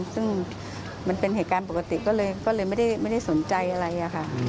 ซึ่งมันเป็นเหตุการณ์ปกติก็เลยไม่ได้สนใจอะไรค่ะ